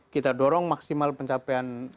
kita dorong maksimal pencapaian